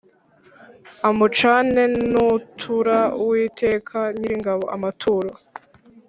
amucane n’utura Uwiteka Nyiringabo amaturo.